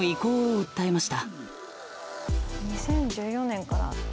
２０１４年から。